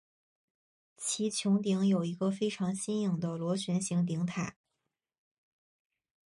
其穹顶有一个非常新颖的螺旋形顶塔。